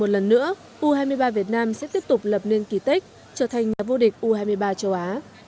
một lần nữa u hai mươi ba việt nam sẽ tiếp tục lập nên kỳ tích trở thành nhà vô địch u hai mươi ba châu á